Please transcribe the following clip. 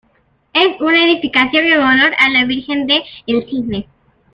Es una edificación en honor a la Virgen de El Cisne.